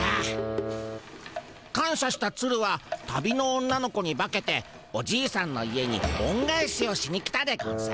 感謝したツルは旅の女の子に化けておじいさんの家におんがえしをしに来たでゴンス。